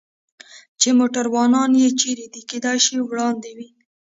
چې موټروانان یې چېرې دي؟ کېدای شي وړاندې وي.